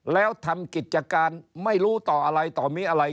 แล้วทำกิจการไม่รู้ต่ออะไรต่อมีอะไร